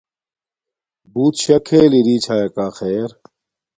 بݸُت شݳ کھݵل اِرݵ چھݳئَکݳ خݵر.